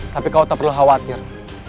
tapi kau tak perlu khawatir